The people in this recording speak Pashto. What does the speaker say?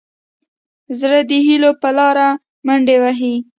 زړه د هيلو په لاره منډې وهي.